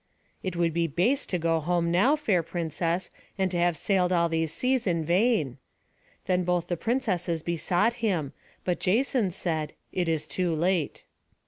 "It would be base to go home now, fair princess, and to have sailed all these seas in vain." Then both the princesses besought him: but Jason said, "It is too late."